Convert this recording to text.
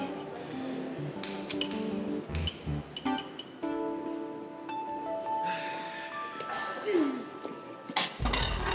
nunggu aja nunggu aja